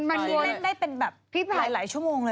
เล่นได้เป็นแบบหลายชั่วโมงเลย